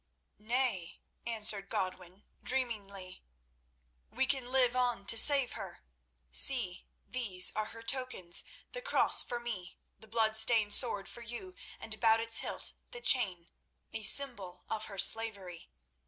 "Nay," answered Godwin, dreamingly; "we can live on to save her. See, these are her tokens—the cross for me, the blood stained sword for you, and about its hilt the chain, a symbol of her slavery.